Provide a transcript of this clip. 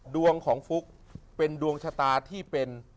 ดวงของฟุ๊กเป็นดวงชะตาที่เป็น